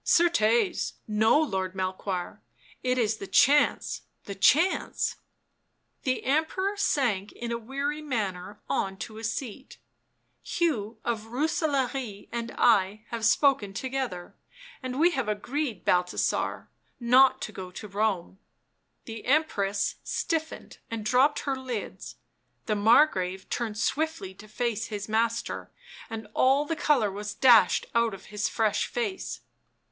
" Certes, no, Lord Melchoir — it is the chance ! the chance !" The Emperor sank in a weary manner on to a seat. " Hugh of Rooselaare and I have spoken together and we have agreed, Balthasar, not to go to Rome." The Empress stiffened and drooped her lids; the Mar grave turned swiftly to face his master, and all the colour was dashed out of his fresh face.